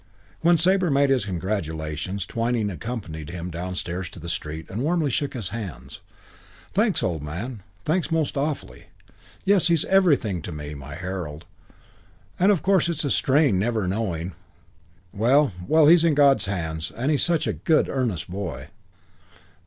When Sabre made his congratulations Twyning accompanied him downstairs to the street and warmly shook his hand. "Thanks, old man; thanks most awfully. Yes, he's everything to me, my Harold. And of course it's a strain never knowing.... Well, well, he's in God's hands; and he's such a good, earnest boy."